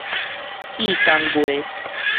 變工藝